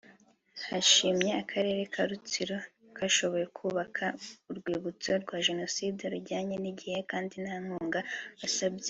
bashimye akarere ka Rutsiro kashoboye kubaka urwibutso rwa Jenoside rujyanye n’igihe kandi nta nkunga basabye